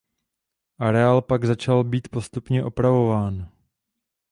Areál pak začal být postupně opravován.